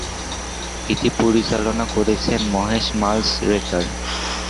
এটি পরিচালনা করেছেন মহেশ মান্জরেকার।